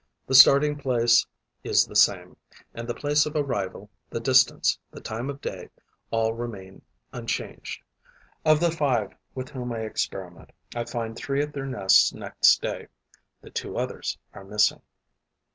The starting place is the same; and the place of arrival, the distance, the time of day, all remain unchanged. Of the five with whom I experiment, I find three at their nests next day; the two others are missing.